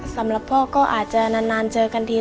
สำหรับพ่อก็อาจจะนานเจอกันที